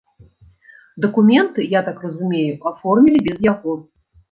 Дакументы, я так разумею, аформілі без яго.